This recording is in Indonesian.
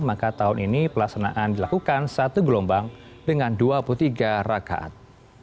maka tahun ini pelaksanaan dilakukan satu gelombang dengan dua puluh tiga rakaat